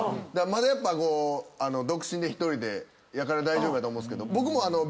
まだやっぱ独身で１人やから大丈夫やと思うんですけど僕も。